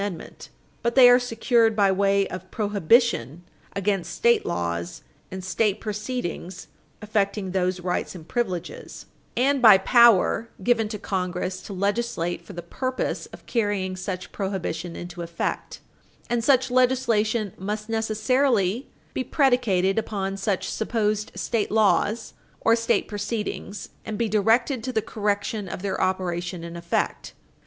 Positive rights and privileges are undoubtedly secured by the Fourteenth Amendment, but they are secured by way of prohibition against state laws and state proceedings affecting those rights and privileges, and by power given to Congress to legislate for the purpose of carrying such prohibition into effect, and such legislation must necessarily be predicated upon such supposed state laws or state proceedings, and be directed to the correction of their operation and effect."